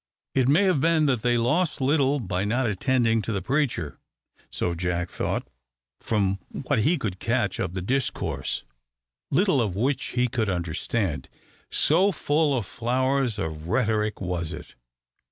It may have been that they lost little by not attending to the preacher. So Jack thought from what he could catch of the discourse, little of which he could understand, so full of flowers of rhetoric was it.